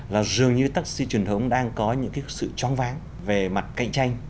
là dường như taxi truyền thống đang có những cái sự chong váng về mặt cạnh tranh